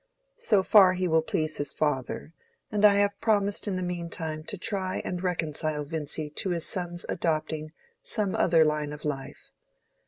So far he will please his father, and I have promised in the mean time to try and reconcile Vincy to his son's adopting some other line of life.